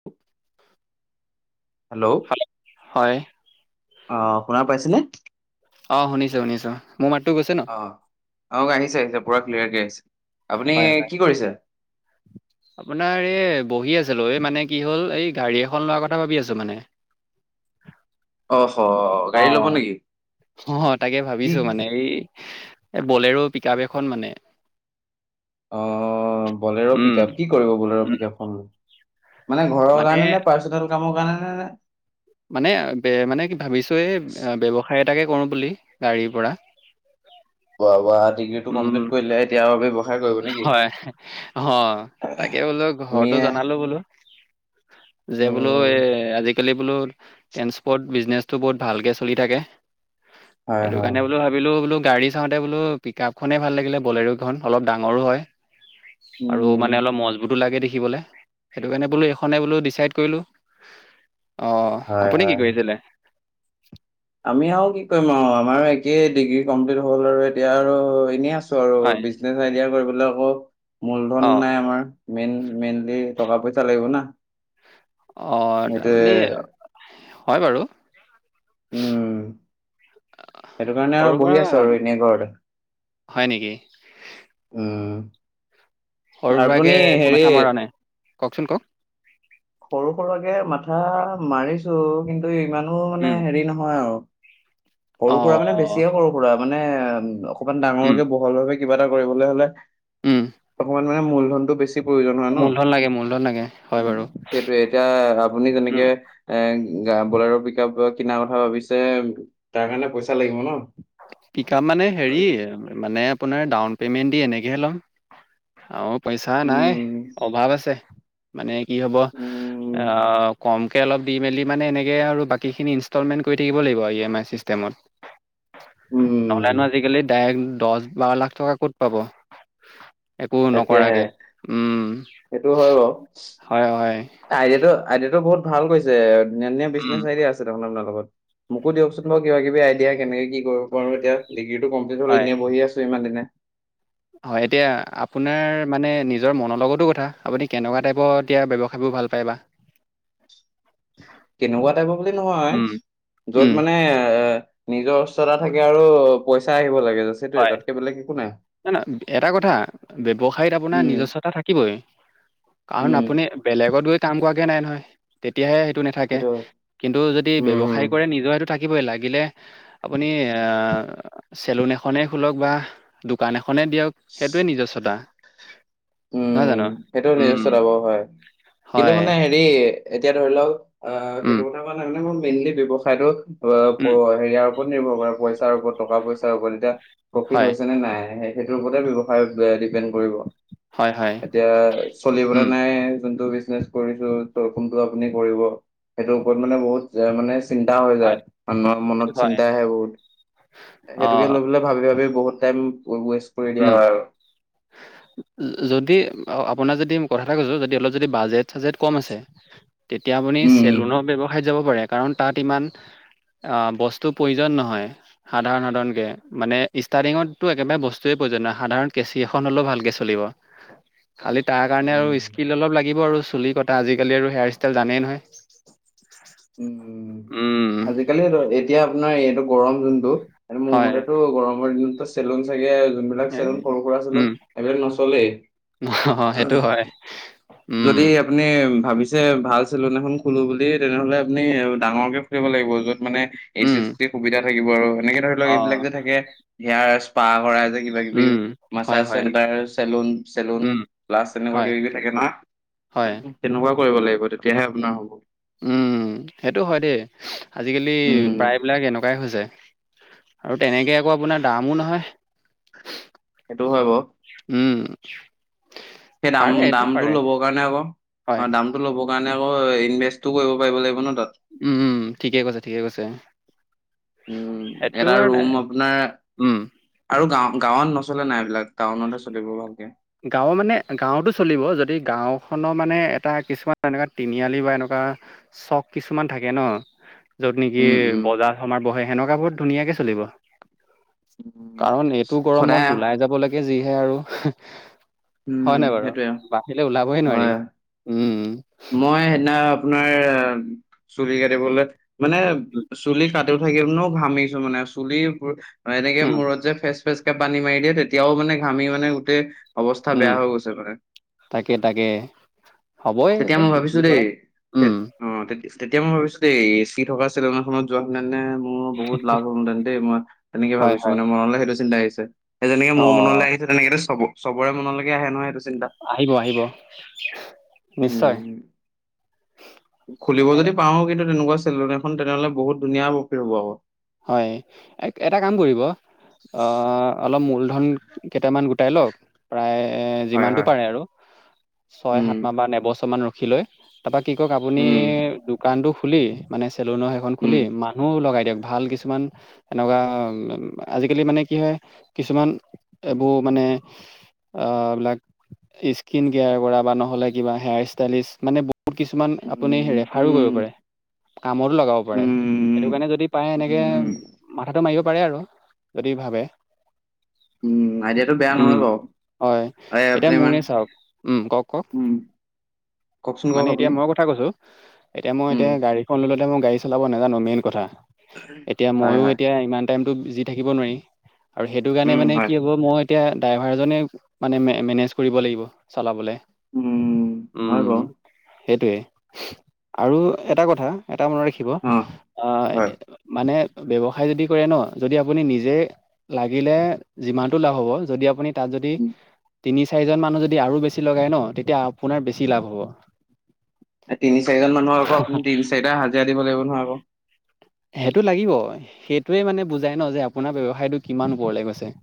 [inaudible] Hello, hello, হয়। অ, শুনা পাইছেনে? অ, শুনিছো, শুনিছো, মোৰ মাতো গৈছেনে? অ, অ, আহিছে আহিছে পুৰা ক্লিয়াৰকৈ আহি আপুনি হয় হয় কি কৰিছে? আপোনাৰ এই বহি আছিলো, এই মানে কি হ'ল এই গাড়ী এখন লোৱা কথা ভাবি আছো মানে। অহ, স অ, অ, অ, তাকে কি ভাবিছো মানে, এই বলেৰো, পিকাপ, এখন মানে অ, বলেৰ, উম পিকপ, কি কৰিব বলেৰ, পিকপ খন লৈ? মানে ঘৰৰ কাৰণে নে, পাৰ্চনেল কামৰ কাৰণে নে, নে মানে, মানে, কি ভাবিছো এই, ব্যৱসায় এটাকে, কৰো বুলি গাড়ীৰ পৰা। বাহ, বাহ, ডিগ্ৰী টো উম কমপ্লিট কৰিলে, এতিয়া বেব হয়। অ, তাকে বোলো, ঘৰতো আমিয়ে জনালো বোলো। যে বোলো, এই, উম আজিকালি বোলো ট্ৰেন্সপৰ্ট বিজনেচটো বহুত ভালকে চলি থাকে। হয় সেইটো হয় কাৰণে বোলো ভাবিলো, বোলো গাড়ী চাওঁতে বোলো পিকাপ, খনেই ভাল লাগিলে বলেৰ খন অলপ ডাঙৰো হয়, আৰু উম মানে অলপ মজবুতো লাগে দেখিবলৈ। সেইটো কাৰণে বোলো, এইখনে বোলো ডিচাইড কৰিলো, অ, হয় আপুনি হয়। কি কৰি আছিলে? আমি আৰু কি কৰিম আৰু আমাৰ একেই, ডিগ্ৰী কমপ্লিট হ'ল আৰু এতিয়া আৰু এনেই আছো। আৰু হয় বিজনেচ আইডিয়া কৰিবলৈ আকৌ মূলধন অঁ নাই আমাৰ। মেইন, মেইনলি টকা পইচা লাগিব না। অ, সেইটোৱে তাৰমানে হয়, বাৰু। উম, সেইটো কাৰণে সৰু আৰু বহি সুৰা আছো আৰু এনেই ঘৰতে। হয়, নেকি? উম, সৰু-সুৰা আপুনি কৰাকে একো হেৰি মাথা মৰা নাই, কওঁকচোন ক'ওক। সৰু-সুৰা কৰাকে মাথা মাৰিছো, কিন্তু ইমানো উম, মানে হেৰি নহয় আৰু। সৰু- সুৰা মানে অঁ বেছিয়ে সৰু- সুৰা মানে উম, অকমান উম ডাঙৰকে বহল ভাৱে কিবা, এটা কৰিবলৈ হ'লে। উম অকমান মানে মূলধনটো, বেছি প্ৰয়োজন হয়, মূলধন লাগে মূলধন লাগে হয় বাৰু ন। সেইটোয়ে এতিয়া, আপুনি উম, যেনেকে এ, বলেৰো পিকাপ কিনাৰ কথা ভাবিছে, তাৰ কাৰণে পইচা লাগিব ন। পিকাপ মানে হেৰি, মানে আপোনাৰ ডাউন পেমেণ্ট দি, এনেকৈহে ল'ম আৰু পইচা নাই, উম অভাৱ আছে। মানে কি হ'ব, উম আহ কম তাকে অলপ দি মেলি মানে, এনেকৈ আৰু বাকীখিনি ইনষ্টলমেণ্ট কৰি থাক লাগিব, ই, এম, আই, চিষ্টেমত। উম নহ'লেনো আজিকালি, ডাইৰেক্ট দহ বাৰ লাখ টকা ক'ত পাব। একো তাকেহে নকৰাকে, উম, হয়, হয়। আইডিয়াতটো-আইডিয়াতটো, বহুত ভাল কৈছে, ধুনীয়া-ধুনীয়া উম, বিজনেছ আইডিয়া আছে। দেখোন আপোনাৰ লগত মোকো, দিয়কচোন মই কিবা- কিবি আইডিয়া কেনেকে কি কৰিব পাৰো, এতিয়া। ডিগ্ৰীটো, কমপ্লিট হ'ল, হয়। এনেই বহি আছো, ইমান দিনে। হয়, এতিয়া আপোনাৰ মানে নিজৰ, মনৰ লগতো কথা আপুনি, কেনেকুৱা টাইপৰ এতিয়া ব্যয়ৱসায়বোৰ ভাল পাইবা? কেনেকুৱা টাইপৰ বুলি নহয়, উম, উম, য'ত মানে আ নিজৰ উচ্চতা থাকে আৰু, পইচা আহিব লাগে জাষ্ট। হয়, না না এটা কথা ব্যৱসায়ত আপোনাৰ উম নিজস্বতা থাকিবই। কাৰণ উম, আপুনি বেলেগত গৈ কাম কৰাকে নাই নহয়, তেতিয়াহে সেইটো নাথাকে। কিন্তু যদি উম, হুম। ব্যবসায় কৰে নিজৰ হয়টো থাকিবই, লাগিলে আপুনি আহ চেলুন এখনে খোলক বা দোকান এখনে দিয়ক, সেইটোয়েই নিজস্বতা। নহয় উম, জানো সেইটো উম নিজস্বতা বাৰু হয়, কিন্তু হয় মানে হেৰি এতিয়া ধৰি লওঁক আহ, সেইটো উম কথা কোৱা নাই, মই মেইনলি ব্যৱসায়টো উম হেৰিয়াৰ ওপৰত নিৰ্ভৰ কৰে পইচাৰ ওপৰত, টকা পইচাৰ ওপৰত তেতিয়া প্ৰফিট হয় হৈছে নে নাই। সেই সেইটোৰ ওপৰতে ব্যৱসায় ডিপেণ্ড কৰিব। হয় হয় এতিয়া চলিবলৈ উম নাই যোনটো বিজনেচ কৰিছোঁ, ত' কোনটো আপুনি কৰিব, সেইটোৰ ওপৰত মানে বহুত মানে চিন্তা হৈ হয় যায়, মানুহৰ সেইটো মনত হয় চিন্তা আহে বহুত। অ সেইটোকে লৈ পেলাই ভাবি, ভাবি বহুত টাইম ৱেষ্ট কৰি উম দিয়া হয়, আৰু। যদি আপোনাৰ যদি কথা এটা কৈছোঁ যদি অলপ যদি বাজেট চাজেট কম আছে তেতিয়া আপুনি উম, উম। চেলুনৰ ব্যৱসায় যাব পাৰে, কাৰণ তাত ইমান বস্তুৰ প্ৰয়োজন নহয়। সাধাৰণ, সাধাৰণকে। মানে ষ্টাৰ্টিঙতটো একেবাৰে বস্তুৱে প্ৰয়োজন নহয়, সাধাৰণ কেচি এখন হ'লেও ভালকে মানে চলিব। খালি তাৰ কাৰণে আৰু উম, স্কিল অলপ লাগিব আৰু চুলি কটা আজিকালি আৰু হেয়াৰ ষ্টাইল জানেই নহয়? উম, উম। উম। আজিকালি এতিয়া আপোনাৰ এইটো গৰম যোনটো এইটো মোৰ হয় মতেতো গৰমৰ দিনতো চেলুন চাগে যোনবিলাক এই চেলুন সৰু সুৰা চেলুন, উম এইবিলাক নচলেই। অ সেইটো হয় উম যদি আপুনি ভাবিছে ভাল চেলুন এখন খুলোঁ বুলি, তেনেহ'লে আপুনি ডাঙৰকে খুলিব লাগিব য'ত মানে এছ, উম চি এি সুবিধা থাকিব আৰু এনেকে ধৰি লওঁক অ এইবিলাক যে থাকে সেয়া স্প্ৰা কৰাই যে কিবা কিবি। উম হয় মাছাছ হয় চেলন, চেলুন উম প্লাছ তেনেকুৱা হয় কিবা কিবি থাকে নহয়। হয়। তেনেকুৱা কৰিব লাগিব, তেতিয়াহে আপোনাৰ হ'ব। উম, সেইটো হয়, দেই আজিকালি উম প্ৰায়বিলাক এনেকুৱাই হৈছে। আৰু তেনেকে আকৌ আপোনাৰ দামো নহয়। সেইটোও হয় বাৰু। উম। সেই দাম পাৰে এইটো দামটো পাৰে ল'বৰ কাৰণে আকৌ হয় অ', দাম। ল'ব কাৰণে আকৌ ইনভেষ্টো কৰিব পাৰিব লাগিব নহয়, তাত। উম, ঠিকে কৈছে, ঠিকে কৈছে। উম, সেইটো এটা আৰু নাই ৰুম আপোনাৰ উম আৰু গাঁও গাঁৱত নচলে নাই, এইবলিলাক টাউনততে চলিব ভালকে। গাঁও মানে গাঁৱতো চলিব, যদি গাঁওখনৰ মানে এটা কিছুমান এনেকুৱা তিনিআলি বা এনেকুৱা চক কিছুমান থাকে ন'! য'ত নেকি উম উম বজাৰ সমাৰ বহে সেনেকুৱা বোৰত ধুনীয়াকে চলিব। উম কাৰণ এইটো সদায় গৰমত ওলাই যাবলেকে যিহে আৰু। হয়, উম নাই বাৰু, সেইটোৱে বাহিৰে ওলাবই নোৱাৰি হয় উম। মই সেইদিনা আপোনাৰ, চুলি কাটিবলে মানে চুলি কাটিও থাকিব নো ঘামিছো মানে চুলি এনেকে উম মূৰত যে ফেচ- ফেঁচ কে পানী মাৰি দিয়ে তেতিয়াও মানে ঘামি মানে গোটেই অৱস্থা উম বেয়া হৈ গৈছে মানে। তাকে তাকে হ'বই এখন যি কৰ, উম। অঁ, তে তেতিয়া মই ভাবিছো দে এচি থকা চেলুন এখনত যোৱা হলে মোৰ বহুত লাভ হ'লঁ হেতেন দেই, মই তেনেকে হয় ভাবিছো হয় মানে মনলৈ সেইটো চিন্তা আহিছে। সেই যেনেকে অ মোৰ মনলৈ আহিছে তেনেকেতো চব চবৰে মনলৈকে আহে নহয় সেইটো চিন্তা। আহিব আহিব, উম নিশ্চয়। খুলিব এ যদি পাওঁ কিন্তু তেনেকুৱা চেলুন এখন তেনেহ'লে বহুত ধুনীয়া বক হব আকৌ। হয়, এটা কাম কৰিব? অঁ, অলপ মূলধন কেইটামান গোটাই লওঁক প্ৰায়- এ হয় যিমানতটো হয় পাৰে আৰু ছ-য় সাত উম মাহ বা এবছৰ মান ৰখি লৈ। তাৰপৰা কি কওঁক আপুনি উম দোকানটো খুলি মানে চেলুনৰ সেইখন উম খুলি মানুহ লগাই দিয়ক। ভাল কিছুমান এনেকুৱা আজিকালি মানে কি হয় কিছুমান- এইবোৰ মানে- আ এইবিলাক স্কিন কেয়াৰ কৰা বা নহলে কিবা হেয়াৰ ষ্টাইলিছ মানে- কিছুমান আপুনি উম ৰেফাৰো কৰিব উম পাৰে, কামতো লগাব পাৰে, সেইটো উম কাৰণে যদি- তেনেকে উম মাথাটো মাৰিব পাৰে আৰু যদি ভাবে। উম আইডিয়াটো বেয়া উম নহয় বাৰু। হয়, এই এতিয়া আপুনি মোৰে মানে চাওক উম, কওঁক কওঁক? কওঁকচোন কওঁক আপুনি? কথা কৈছো, এতিয়া মই উম এতিয়া গাড়ীখন লৈ লওঁতে, মই গাড়ী চলাব নাজানো মেইন কথা। এতিয়া হয় মইয়ো হয় এতিয়া ইমান টাইমতো বিযি থাকিব নোৱাৰিম আৰু সেইটো কাৰণে উম মানে হয় কি হ'ব মই- এতিয়া ড্ৰাইভাৰজনে মানে মেনেজ কৰিব লাগিব চলাবলে। উম, হয় উম, বাৰু। সেইটোৱে আৰু এটা কথা এটা মনত ৰাখিব- অ'। আহ হয়, মানে ব্যৱসায় যদি কৰে ন যদি আপুনি নিজে- লাগিলে যিমানতটো লাভ হ'ব যদি আপুনি- তাত যদি উম, তিনি চাৰিজন মানুহ যদি আৰু বেছি লগাই ন তেতিয়া আপোনাৰ বেছি লাভ হ'ব। তিনি চাৰিজন মানুহ আক আপুনি তিনি চাৰিটা হাজিৰা দিব লাগিব নহয় আক। সেইটো লাগিব, সেইটোৱে মানে বুজাই ন যে আপোনাৰ ব্যৱসায়টো কিমান ওপৰলৈ গৈছে।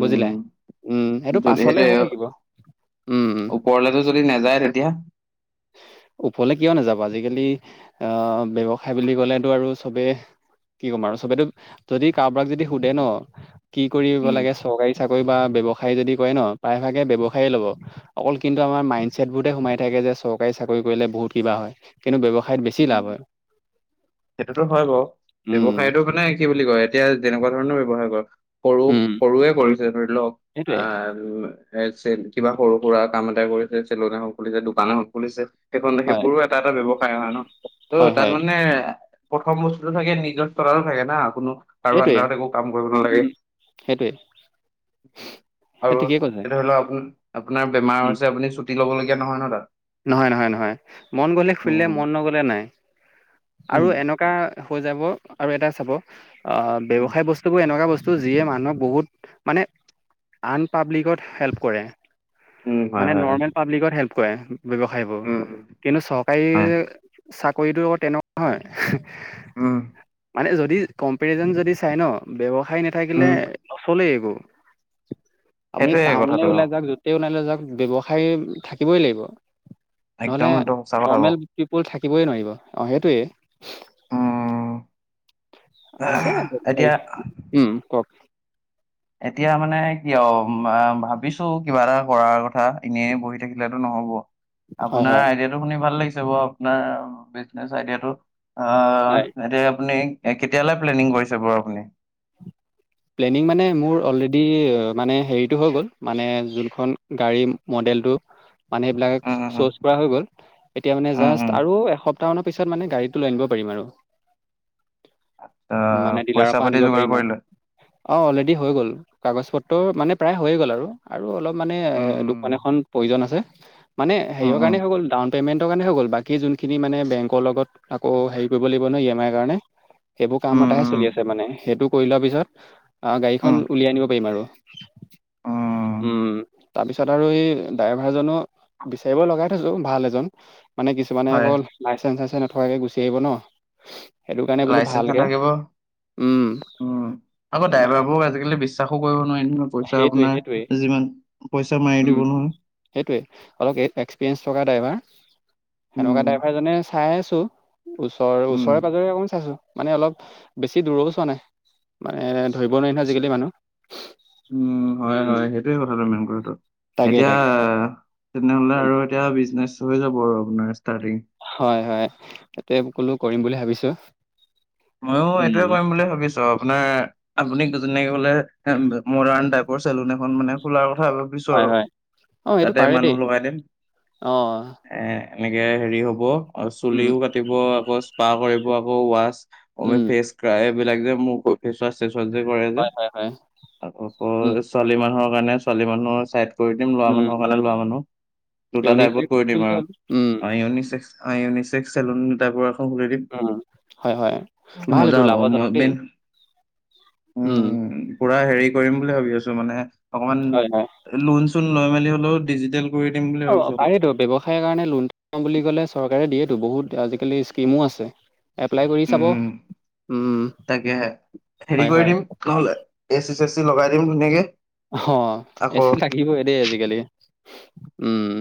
বুজিলা, উম। সেইটো যদি পাছলে হৈ থাকিব, উম। ওপৰলে যদি নাযায় তেতিয়া! ওপৰলৈ কিয় নাযাব, আজিকালি আহ ব্যৱসায় বুলি ক'লেতো আৰু চবেই- কি কম আৰু চবেতো যদি কাৰোবাক যদি সোধে ন কি কৰিব উম। লাগে চৰকাৰী- চাকৰি বা ব্যৱসায় যদি কৰে ন প্ৰায়ভাগে ব্যৱসায় ল'ব। অকল কিন্তু আমাৰ মাইণ্ড ছেট বোতে সোমাই থাকে যে চৰক- চৰকাৰী চাকৰি কৰিলে বহুত কিবা হয় কিন্তু ব্যৱসায়ত বেছি উম। লাভ হয়। সেইটোতো হয় বাৰু। উম ব্যৱসায়তটো মানে কি বুলি কয় এতিয়া যেনেকুৱা ধৰণৰ ব্যয়ৱসায় কৰ- সৰু উম সৰুৱে কৰিছে ধৰি লওঁক সেইটোৱে আহ- এ চে কিবা সৰু সুৰা কাম এটা কৰিছে, চেলন এখন খুলিছে, দোকান এখন খুলিছে সেইখন হয় সেইবোৰো- এটা এটা ব্যৱসায় হয় ন, ত' হয় তাত হয় মানে- প্ৰথম বস্তুটো থাকে নিজৰ তৰাৰো থাকে না কোনো- কাৰো সেইটোৱে আন্দাৰত একো কাম কৰিব নালাগে। উম সেইটোৱে সেই আৰু ঠিকেই কৈছে তেতিয়া ধৰি লওঁক আপ আপোনাৰ বেমাৰ উম, হৈছে আপুনি চুটি লব লগীয়া নহয় ন তাত। নহয়, নহয়, নহয়, মন গলে খুলিলে উম মন নগলে নাই উম আৰু এনেকুৱা- হৈ যাব আৰু এটা চাব অঁ উম ব্যয়ৱসায় বস্তুটো এনেকুৱা বস্তু- যিয়ে মানুহক বহুত মানে আন পাব্লিকত হেল্প কৰে। উম, হয় মানে হয় হয় নৰ্মেল পাব্লিকত হেল্প কৰে ব্যৱসায়বোৰ, উম উম, কিন্তু চৰকাৰী হয় চাকৰিটো তেনেকুৱা হয় উম, মানে যদি কম্পেৰিজন যদি চাই ন' ব্যৱসায় নাথাকিলে উম নচলেই একো আপুনি সেইটোয়ে টাউনলে কথাটো অ ওলাই যাওক য'তেই ওলাই নাযাওক ব্যৱসায় থাকিবই লাগিব। নহ'লে একদম সেইটো সঁচা কথা কওঁ নৰ্মেল পিপুল থাকিবই নোৱাৰিব অ' সেইটোৱেই উম আছে এতিয়া উম, কওক এতিয়া মানে কিয় ভাবিছোঁ কিবা এটা কৰাৰ কথা এনেই বহি থাকিলেতো নহব। হয়, আপোনাৰ হয়। আইডিয়াটো শুনি ভাল লাগিছে বাৰু আপোনাৰ বিজনেছ আইডিয়াটো অ', হয়, এতিয়া আপুনি কেতিয়ালৈ প্লেনিং কৰিছে বাৰু আপুনি? প্লেনিং মানে মোৰ অলৰেডি মানে হেৰিটো হৈ গ'ল মানে যোনখন গাড়ী মডেলটো মানে এইবিলাক উম উম উম চজ কৰা হৈ গল, এতিয়া মানে উম জাষ্ট আৰু এক টা মানৰ পিছত মানে গড়ীটো লৈ আনিব পাৰিম আৰু। আহ মানে ডিলাৰৰ পইচা পৰা পাতি আনিব যোগাৰ পাৰিম আৰু কৰিলে অ', অলৰেডি হৈ গ'ল। কাগজ পত্ৰ মানে প্ৰায় হৈয়ে গ'ল আৰু আৰু অলপ মানে এ দুখন উম এখন প্ৰয়োজন আছে। মানে উম সৰিয়হ উম কাৰণে হৈ গ'ল ডাউন পেমেন্টৰ কাৰণে হৈ গ'ল, বাকী যোনখিনি মানে বেংকৰ লগত আকৌ হেৰি কৰিব লাগিব নহয় ই এম আইৰ কাৰণে। সেবোৰ কাম উম এটা হে উম চলি আছে মানে সেইটো কৰি লোৱা পিছত আ, গাড়ীখন উম উলিয়াই আনিব পাৰিম আৰু। উম, তাৰপিছত আৰু এই ড্ৰাইভাৰজনো বিচাৰিব লগাই থৈছো ভাল এজন মানে কিছুমানে হয় অকল লাইচেন্ঞ্চ চাইচেঞ্চ নথকাকে গুচি আহিব ন' সেইটো কাৰণে বোলো লাইচেন্স ভালকে নাথাকিব উম, উম, আকৌ ড্ৰাইভাৰ বোৰক আজিকালি বিশ্বাসো কৰিব নোৱাৰি ন' পইচা সেইটোৱে সেইটোৱে আপোনাৰ যিমান পইচা মাৰি উম দিব নহয় সেইটোৱে অলপ এক্সপিৰিয়েঞ্চ থকা ড্ৰাইভাৰ, সেনেকুৱা উম, ড্ৰাইভাৰ জনে চাই আছোঁ। ওচৰৰ উম, ওচৰে পজৰে অকন চাইছো মানে অলপ বেছি দূৰৰো চোৱা নাই। মানে ধৰিব নোৱাৰি নহয় আজিকালি মানুহ উম, হয়, উম হয়, সেইটোৱে কথাটো মেইন কথাটো তাকে এতিয়া তাকে তেনেহ'লে উম, আৰু এতিয়া বিজনেচ হৈ যাব আৰু আপোনাৰ ষ্টাৰ্টিং হয়, হয়, তাতে কলো কৰিম বুলি ভাবিছোঁ। ময়ো এইটোৱে কৰিম বুলি ভাবিছোঁ আপোনাৰ আপুনি যেনেকে বোলে মডাৰ্ণ টাইপৰ চেলুন এখন মানে খোলাৰ কথা পিছৰ হয় হয় অ এইটো তাতে পাৰে দেই মানুহ লগাই দিম। অ এ এনেকে হেৰি হ'ব আৰু উম চুলিও কাটিব আকৌ স্পা কৰিব আকৌ ৱাচ উম [unintelligible] ফেচ [unintelligible] বিলাক যে মুখ ফেচ ৱাছ চেচ ৱাছ যে কৰে যে হয় হয় হয় তাত আকৌ উম ছোৱালী মানুহৰ কাৰণে ছোৱালী মানুহৰ চাইড কৰি দিম ল'ৰা উম মানুহৰ কাৰণে ল'ৰা মানুহ দুটা ইউনিচেফ টাইপত কৰি দিম বুলিলে আৰু হ'ল উম আনি ইউনিছেক্স অ', ইউনিছেক্স চেলুন [unintelligible] খুলি দিম উম, হয়, হয়, ভাল মজা এইটো হ'ব মই লাভজনক দেই মেইন উম, পুৰা হেৰি কৰিম বুলি ভাবি আছোঁ মানে অকমান হয় হয় লোন চোন লৈ মেলি হ'লেও ডিজিটেল কৰি দিম বুলি অ', ভাবিছো অলপ পাৰেতো ব্যৱসায়ৰ কাৰণে লোন বুলি ক'লে চৰকাৰে দিয়েতো বহুত আজিকালি স্কিমো আছে। এপ্লাই কৰি চাব উম, উম তাকে হে হেৰি হয় কৰি হয় দিম নহলে এ চি, চে চি লগাই দিম ধুনীয়াকে অ', এ আকৌ চি লাগিব এ দেই আজিকালি উম।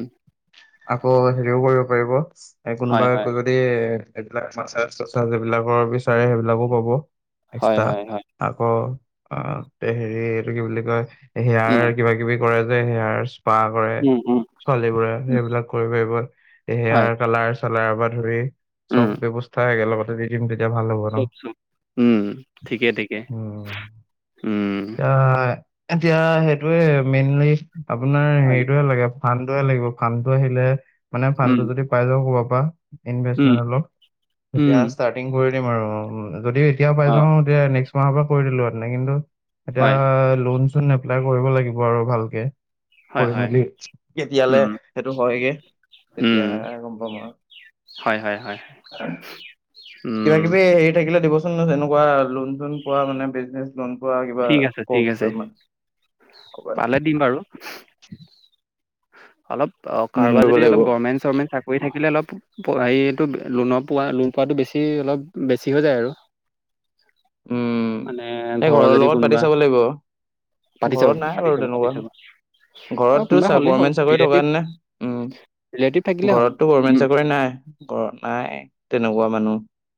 আকৌ হেৰিও কৰিব পাৰিব হয় কোনোবাই হয় ক এইবিলাক [unintelligible] বিলাকৰ বিচাৰে সেইবিলাকো পাব হয় এক্সট্ৰা। হয় হয় আকৌ অ', হেৰি এইটো কি বুলি কয় হেয়াৰ উম কিবা কিবি কৰে যে সেয়াৰ স্পা কৰে উম উম ছোৱালী বোৰে উম। সেইবিলাক কৰিব পাৰিব হয় হেয়াৰ কালাৰ চালাৰ পৰা ধৰি চব উম ব্যয়ৱস্থা একেলগতে দি দিম তেতিয়া ভাল হ'ব চব চব উম ঠিকে ঠিকে উ, উম এ এতিয়া সেইটোয়ে মেইনলি আপোনাৰ হয় হেৰিটয়ে লাগে ফানটোয়ে লাগিব। ফানটো আহিলে মানে ফান উম টো যদি পাই যাওঁ কবাৰ পৰা উম ইনভেচমেন্ অলপ উম তেতিয়া ষ্টাৰ্টিং কৰি দিম আৰু যদিও এতিয়া পাই অ যাওঁ। নেক্স মাহৰ পৰা কৰি দিলোঁ কিন্তু এতিয়া হয়, ল এপ্লাই কৰিব লাগিব আৰু ভালকে হয়, কৰি হয়। মেলি তেতিয়া উম, টো হয়গে তেতিয়া উম। গ'ম পাম আৰু হয়, হয়, হয়। উম। কিবা কিবি হেৰি থাকিলে দিবচোন এনেকুৱা লোন চোন পোৱা মানে বিজনেচ। মন পোৱা কিবা ঠিক আছে, ঠিক আছে। স্কপে কব পালে দিম বাৰু। অলপ অ', উম কাৰোব কৰিব যদি অলপ লাগিব গমেণ্ট চেট কৰি থাকিলে অলপ হেৰিটো লোনত পোৱা লোন পোৱাটো বেছি অলপ বেছি হৈ যায় আৰু। [inaudible] উম, মানে এই ঘৰৰ যদি লগত পাতি কোনোবা চাব লাগিব পাতি চাব, ঘৰত নাই পাতি বাৰু চাব, পাতি তেনেকুৱা চাব। অ' ঘৰতটো কোনোবা হ'লেই হ'ল। গমেণ্ট চাকৰি থকা ৰিলেটিভ ন নে ৰিলেটিভ উ থাকিলে হ'ল। ঘৰতো গমেণ্ট উম, চাকৰি নাই ঘৰত নাই তেনেকুৱা মানুহ